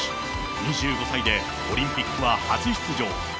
２５歳で、オリンピックは初出場。